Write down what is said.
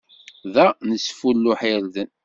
Da, nesfulluḥ irden.